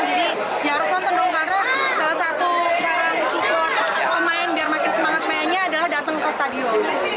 jadi ya harus nonton dong karena salah satu cara support pemain biar semangat pemainnya adalah datang ke stadion